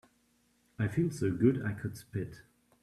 I feel so good I could spit.